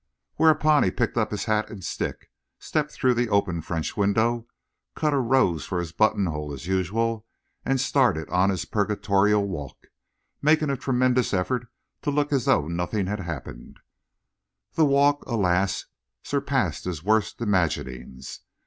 Whereupon he picked up his hat and stick, stepped through the open French window, cut a rose for his buttonhole as usual, and started on his purgatorial walk, making a tremendous effort to look as though nothing had happened. That walk, alas! surpassed his worst imaginings.